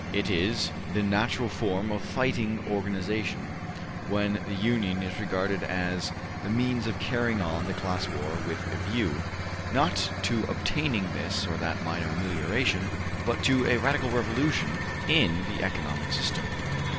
It is the natural form of fighting organization when the union is regarded as the means of carrying on the class war with a view, not to obtaining this or that minor amelioration, but to a radical revolution in the economic system.